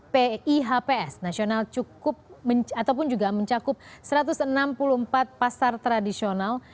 pihps nasional cukup ataupun juga mencakup satu ratus enam puluh empat pasar tradisional